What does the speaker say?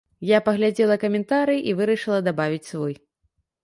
Я паглядзела каментарыі і вырашыла дабавіць свой.